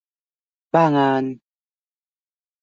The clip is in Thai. บ้างาน ?